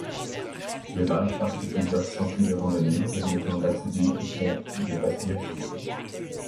De là partent plusieurs sentiers de randonnée permettant d'accéder au fond de l'Ásbyrgi.